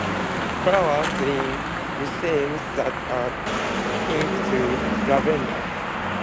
Flowers in racemes that are pink to lavender.